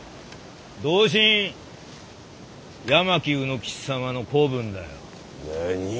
同心八巻卯之吉様の子分だよ。